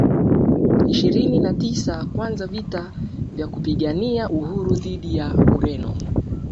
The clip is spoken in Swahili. ishirini na Tisa kwanza vita vya kupigania uhuru dhidi ya Ureno